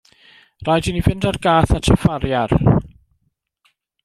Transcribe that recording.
Rhaid i ni fynd â'r gath at y ffariar.